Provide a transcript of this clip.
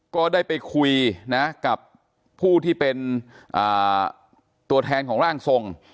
ก็ได้ไปคุยนะกับผู้ที่เป็นตัวแทนของร่างทรง